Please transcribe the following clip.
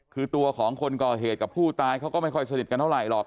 คือตัวของคนก่อเหตุกับผู้ตายเขาก็ไม่ค่อยสนิทกันเท่าไหรหรอก